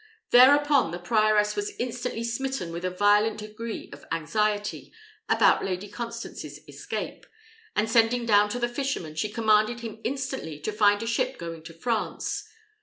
Thereupon the prioress was instantly smitten with a violent degree of anxiety about Lady Constance's escape, and sending down to the fisherman, she commanded him instantly to find a ship going to France.